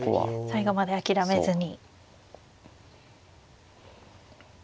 最後まで諦めずに。